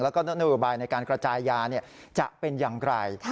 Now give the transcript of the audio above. แล้วก็นโยบายในการกระจายยาจะเป็นอย่างไร